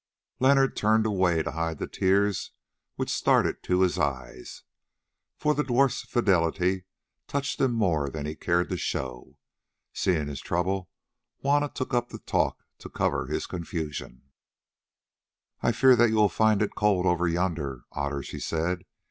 Leonard turned away to hide the tears which started to his eyes, for the dwarf's fidelity touched him more than he cared to show. Seeing his trouble, Juanna took up the talk to cover his confusion. "I fear that you will find it cold over yonder, Otter," she said.